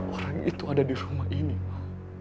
orang itu ada di rumah ini pak